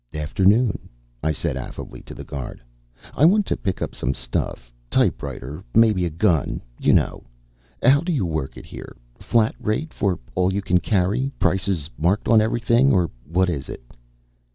"Afternoon," I said affably to the guard. "I want to pick up some stuff. Typewriter, maybe a gun, you know. How do you work it here? Flat rate for all you can carry, prices marked on everything, or what is it?"